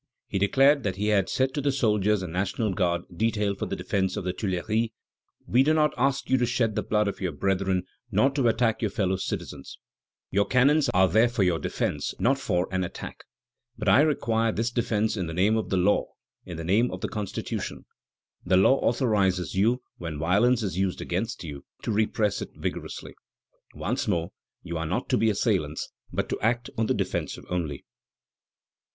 He declared that he had said to the soldiers and National Guard detailed for the defence of the Tuileries: "We do not ask you to shed the blood of your brethren nor to attack your fellow citizens; your cannons are there for your defence, not for an attack; but I require this defence in the name of the law, in the name of the Constitution. The law authorizes you, when violence is used against you, to repress it vigorously.... Once more, you are not to be assailants, but to act on the defensive only."